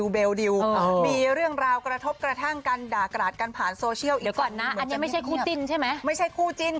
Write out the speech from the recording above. เบลดิวมีเรื่องราวกระทบกระทั่งกันด่ากราดกันผ่านโซเชียล